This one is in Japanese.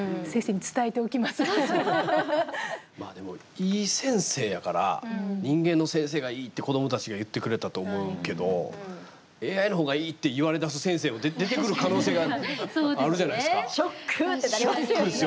でも、いい先生やから人間の先生がいいって子どもたちが言ってくれたと思うけどＡＩの方がいいって言われた先生も出てくる可能性がショックってなりますよね。